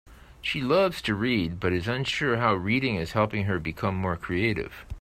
She loves to read, but is unsure how reading is helping her become more creative.